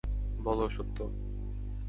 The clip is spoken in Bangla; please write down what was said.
বল, সত্য?